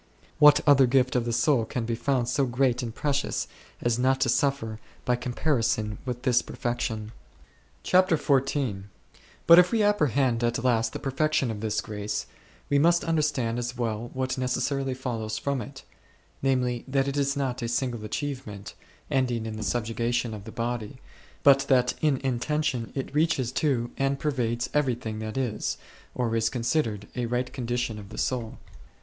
What other gift of the soul can be found so great and precious as not to suffer by comparison with this perfection ? A* CHAPTER XIV. But if we apprehend at last the perfection of this grace, we must understand as well what necessarily follows from it ; namely that it is not a single achievement, ending in the subjuga tion of the body, but that in intention it reaches to and pervades everything that is, or is con sidered, a right condition of the soul.